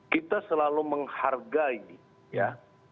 kita selalu menghargai ya